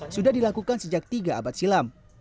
sudah dilakukan sejak tiga abad silam